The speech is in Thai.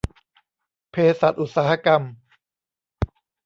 เภสัชอุตสาหกรรม